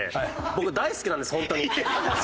僕大好きなんですホントに。